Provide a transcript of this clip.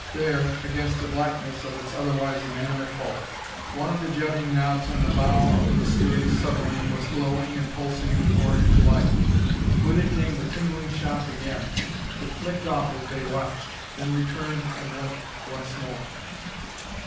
There, against the blackness of its otherwise inanimate hulk, one of the jutting knobs on the bow of the mysterious submarine was glowing and pulsing with orange life! With it came the tingling shock again. It flicked off as they watched, then returned and went once more.